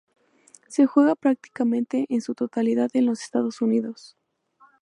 Se juega prácticamente en su totalidad en los Estados Unidos.